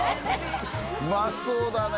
うまそうだね